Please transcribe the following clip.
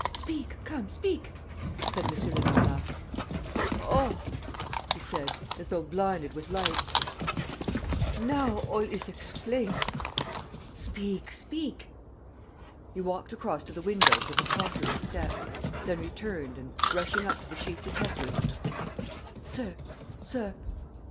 "Speak, come, speak!" said M. Lenormand. "Oh," he said, as though blinded with light, "now all is explained! ..." "Speak, speak!" He walked across to the windows with a tottering step, then returned and, rushing up to the chief detective: "Sir, sir